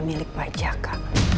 milik pak jaka